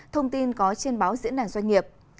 thông tin có trên báo diễn đàn doanh nghiệp